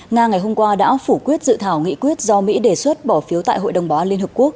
nga ngày hôm qua đã phủ quyết dự thảo nghị quyết do mỹ đề xuất bỏ phiếu tại hội đồng bảo an liên hợp quốc